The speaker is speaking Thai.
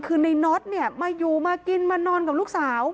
คือในน็อตเนี่ยมาอยู่มากินมานอนกับลูกสาว